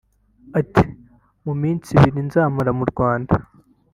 Ati "Mu minsi ibiri nzamara mu Rwanda